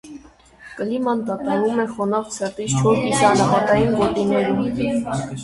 Կլիման տատանվում է խոնավ ցրտից չոր կիսաանապատային գոտիներում։